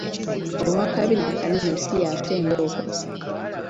Ow'akabina akanene si y'afa embooko.